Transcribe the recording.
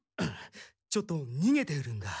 ちょっとにげているんだ。